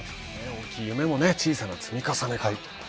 大きい夢も小さな積み重ねからと。